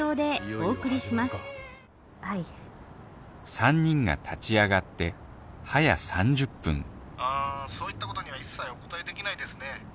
３人が立ち上がってはや３０分あそういったことには一切お答えできないですね。